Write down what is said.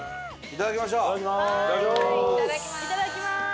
いただきます！